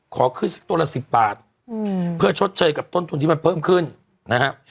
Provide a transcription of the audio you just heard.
ขอขึ้นสักตัวละ๑๐บาทเพื่อชดเชยกับต้นทุนที่มันเพิ่มขึ้นนะครับ